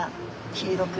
黄色く。